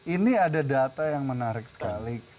ini ada data yang menarik sekali